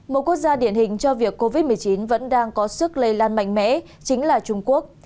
một quốc gia điển hình cho việc covid một mươi chín vẫn đang có sức lây lan mạnh mẽ chính là trung quốc